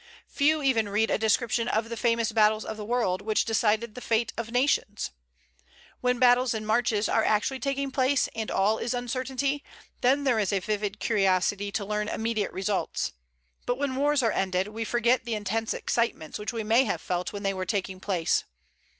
Few even read a description of the famous battles of the world, which decided the fate of nations. When battles and marches are actually taking place, and all is uncertainty, then there is a vivid curiosity to learn immediate results; but when wars are ended, we forget the intense excitements which we may have felt when they were taking place.